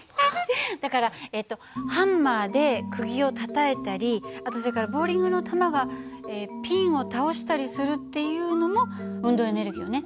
だからえっとハンマーでくぎをたたいたりあとそれからボウリングの球がピンを倒したりするっていうのも運動エネルギーよね。